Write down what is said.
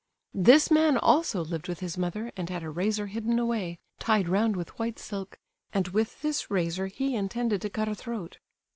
This man also lived with his mother, and had a razor hidden away, tied round with white silk, and with this razor he intended to cut a throat.